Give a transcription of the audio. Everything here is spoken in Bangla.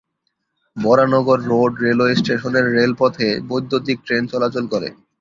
বরানগর রোড রেলওয়ে স্টেশনের রেলপথে বৈদ্যুতীক ট্রেন চলাচল করে।